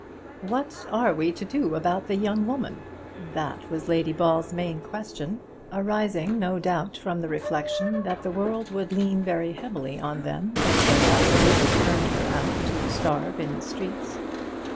"What are we to do about the young woman?" That was Lady Ball's main question, arising, no doubt, from the reflection that the world would lean very heavily on them if they absolutely turned her out to starve in the streets.